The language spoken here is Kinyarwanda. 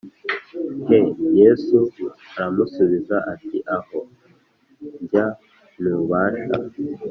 He yesu aramusubiza ati aho njya ntubasha